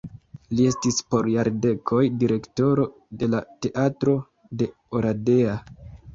Li estis por jardekoj direktoro de la teatro de Oradea.